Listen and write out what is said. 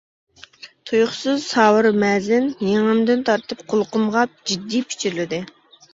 تۇيۇقسىز ساۋۇر مەزىن يېڭىمدىن تارتىپ قۇلىقىمغا جىددىي پىچىرلىدى.